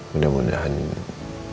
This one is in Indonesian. mudah mudahan rina juga bisa cepet sehat